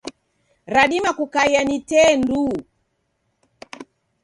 Radima kukaia ni tee nduu.